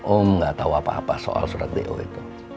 om nggak tahu apa apa soal surat do itu